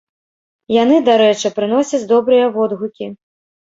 Яны, дарэчы, прыносяць добрыя водгукі.